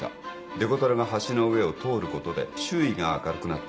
デコトラが橋の上を通ることで周囲が明るくなった。